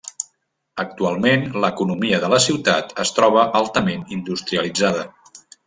Actualment, l'economia de la ciutat es troba altament industrialitzada.